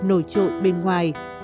nổi trội bên ngoài